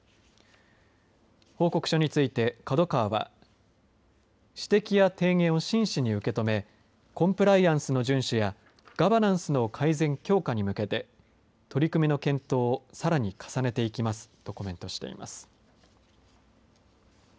報告書についてＫＡＤＯＫＡＷＡは指摘や提言を真しに受け止めコンプライアンスの順守やガバナンスの改善強化に向けて取り組みの検討をさらに重ねていきますとコメントしています。